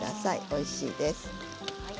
おいしいです。